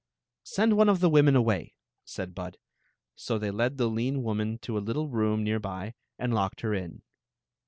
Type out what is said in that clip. "Send one ^ mmaen away," saM Bmd. So Aey Jed the lean woman to a litde room near by and locked her in.